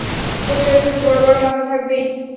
পোস্টারে দুটো বড় বড় মাথা থাকবেই!